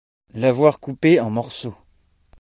L’avoir coupé en morceaux!